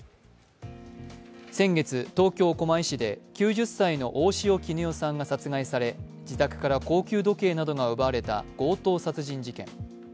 先月、東京・狛江市で９０歳の大塩衣与さんが殺害され自宅から高級時計などが奪われた強盗殺人事件。